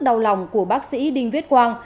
đau lòng của bác sĩ đinh viết quang